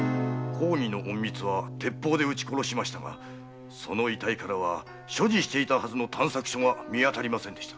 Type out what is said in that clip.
公儀の隠密は撃ち殺しましたがその遺体からは所持していたはずの探索書が見当たりませんでした。